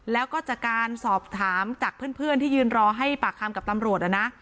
แล้วก็จากการสอบถามจากเพื่อนที่ยืนรอให้ปากคำกับตำรวจนะ